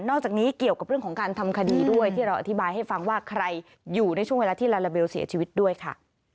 จากนี้เกี่ยวกับเรื่องของการทำคดีด้วยที่เราอธิบายให้ฟังว่าใครอยู่ในช่วงเวลาที่ลาลาเบลเสียชีวิตด้วยค่ะ